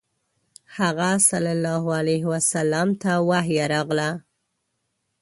هغه ﷺ ته وحی راغله.